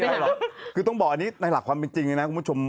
หรอกคือต้องบอกอันนี้ในหลักความเป็นจริงเลยนะคุณผู้ชม